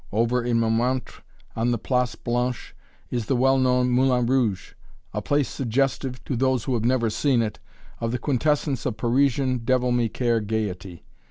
Over in Montmartre, on the Place Blanche, is the well known "Moulin Rouge," a place suggestive, to those who have never seen it, of the quintessence of Parisian devil me care gaiety.